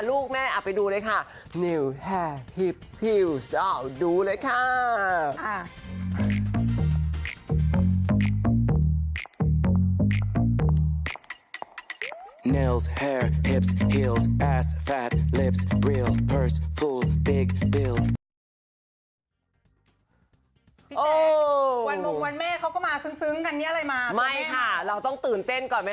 ลูกแม่ไปดูเลยค่ะ